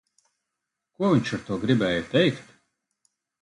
Ko viņš ar to gribēja teikt?